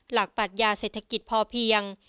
ปัญญาเศรษฐกิจพอเพียง